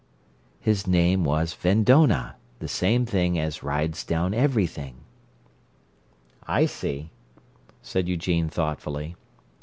"His name was Vendonah, the same thing as Rides Down Everything." "I see," said Eugene thoughtfully.